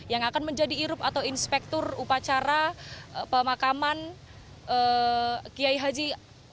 yang akan menjadi irup atau inspektur upacara pemakaman kiai haji